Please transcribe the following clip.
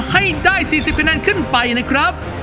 ให้ได้๔๐คะแนนขึ้นไปนะครับ